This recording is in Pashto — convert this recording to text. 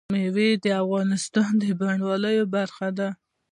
مېوې د افغانستان د بڼوالۍ برخه ده.